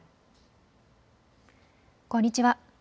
こんにちは。